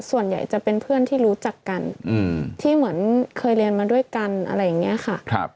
ส่วนใหญ่จะเป็นเพื่อนที่รู้จักกันที่เหมือนเคยเรียนมาด้วยกันอะไรอย่างนี้ค่ะ